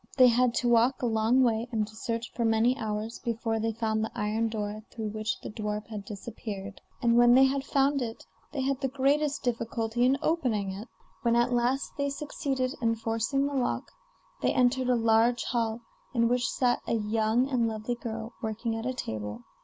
They had to walk a long way, and to search for many hours, before they found the iron door through which the dwarf had disappeared; and when they had found it they had the greatest difficulty in opening it. When at last they succeeded in forcing the lock, they entered a large hall, in which sat a young and lovely girl, working at a table.